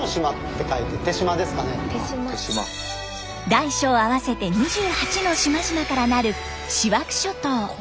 大小合わせて２８の島々から成る塩飽諸島。